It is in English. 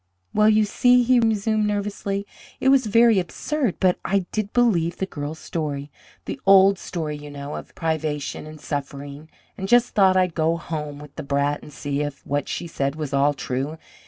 "Well, you see," he resumed nervously, "it was very absurd, but I did believe the girl's story the old story, you know, of privation and suffering, and just thought I'd go home with the brat and see if what she said was all true.